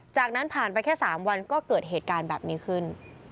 จากนั้นผ่านไปแค่๓วันก็เกิดเหตุการณ์แบบนี้ขึ้น